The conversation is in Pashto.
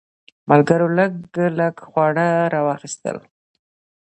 ملګرو لږ لږ خواړه راواخیستل.